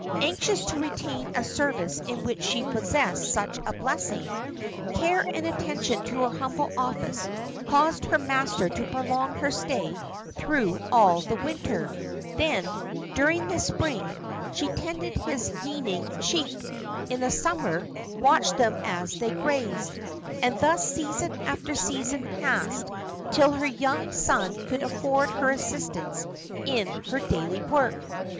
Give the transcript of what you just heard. Anxious to retain a service in which she possessed such a blessing, care and attention to her humble office caused her master to prolong her stay through all the winter; then, during the spring, she tended his yeaning sheep; in the summer, watched them as they grazed; and thus season after season passed, till her young son could afford her assistance in her daily work.